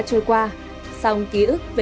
trôi qua song ký ức về